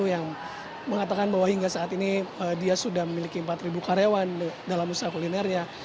yang mengatakan bahwa hingga saat ini dia sudah memiliki empat karyawan dalam usaha kulinernya